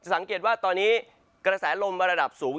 สังเกตว่าตอนนี้กระแสลมระดับสูง